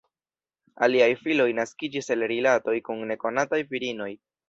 Aliaj filoj naskiĝis el rilatoj kun nekonataj virinoj.